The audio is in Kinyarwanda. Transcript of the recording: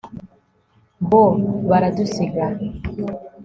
bo, baradusiga